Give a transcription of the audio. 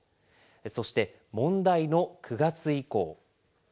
そして、問題の９月以降。